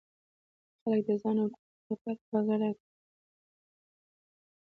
خلک د ځان او ټولنې لپاره په ګډه کار کوي.